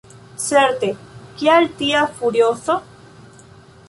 Certe; kial tia furiozo?